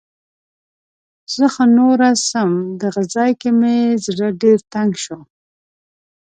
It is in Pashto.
زه خو نوره څم. دغه ځای کې مې زړه ډېر تنګ شو.